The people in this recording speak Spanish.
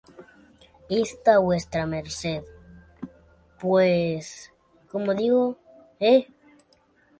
Está vuestra merced... pues, como digo... ¡eh!